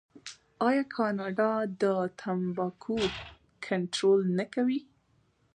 آیا کاناډا د تمباکو کنټرول نه کوي؟